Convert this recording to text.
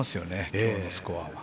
今日のスコアは。